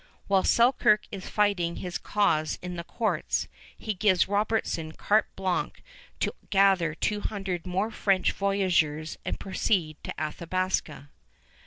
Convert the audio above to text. While Selkirk is fighting his cause in the courts, he gives Robertson carte blanche to gather two hundred more French voyageurs and proceed to the Athabasca.